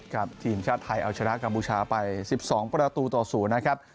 ครับทีมชาติไทยเอาชนะกัมพูชาไปสิบสองประตูต่อศูนย์นะครับ